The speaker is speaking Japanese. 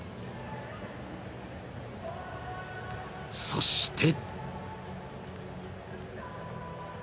［そして］